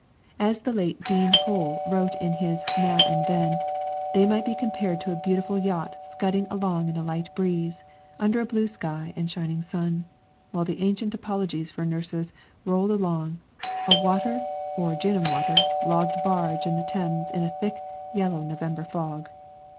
As the late Dean Hole wrote in his "Now and Then," they might be compared to a beautiful yacht scudding along in a light breeze, under a blue sky and shining sun, while the ancient apologies for nurses rolled along, a water (or gin and water) logged barge in the Thames in a thick, yellow November fog.